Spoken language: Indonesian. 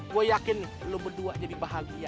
gue yakin lo berdua jadi bahagia